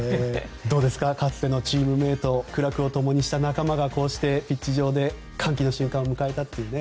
どうですかかつてのチームメート苦楽をともにした仲間がこうしてピッチ上で歓喜の瞬間を迎えたという。